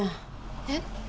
えっ？